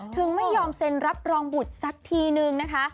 ถึงไม่ยอมเซ็นรับรองบุตรสักทีนึงนะคะ